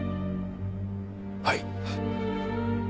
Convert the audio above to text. はい。